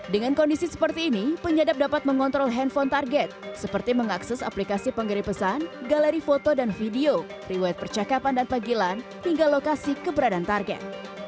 dengan kondisi seperti ini penyadap dapat mengontrol handphone target seperti mengakses aplikasi pengiri pesan galeri foto dan video riwet percakapan dan panggilan hingga lokasi keberadaan target